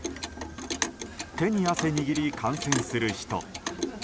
手に汗握り観戦する人。